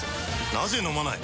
なぜ飲まない？